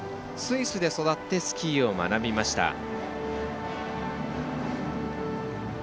スイスで育ってスキーを学びました。